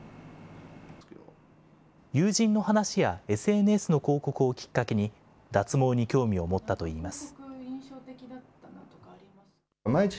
友人の話やＳＮＳの広告をきっかけに、脱毛に興味を持ったといいます。